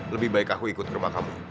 lebih baik aku ikut rumah kamu